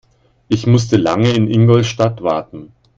Ich musste lange in Ingolstadt warten